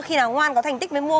khi nào ngoan có thành tích mới mua